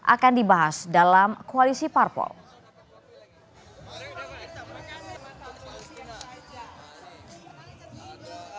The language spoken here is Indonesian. akan dibahas dalam koalisi parpol